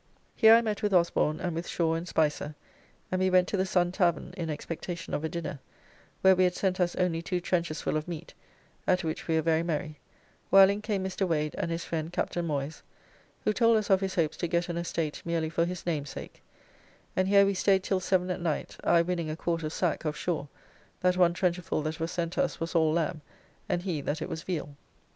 Here I met with Osborne and with Shaw and Spicer, and we went to the Sun Tavern in expectation of a dinner, where we had sent us only two trenchers full of meat, at which we were very merry, while in came Mr. Wade and his friend Capt. Moyse (who told us of his hopes to get an estate merely for his name's sake), and here we staid till seven at night, I winning a quart of sack of Shaw that one trencherfull that was sent us was all lamb and he that it was veal.